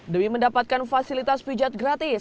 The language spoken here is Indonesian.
demi mendapatkan fasilitas pijat gratis